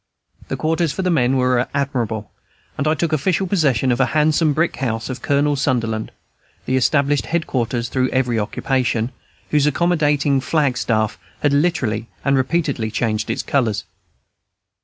The quarters for the men were admirable; and I took official possession of the handsome brick house of Colonel Sunder land, the established head quarters through every occupation, whose accommodating flag staff had literally and repeatedly changed its colors.